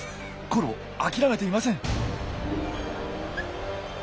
コロ諦めていません。